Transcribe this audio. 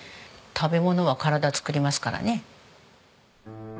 食べ物は体を作りますからね。